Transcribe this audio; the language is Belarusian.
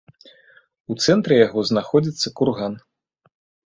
У цэнтры яго знаходзіцца курган.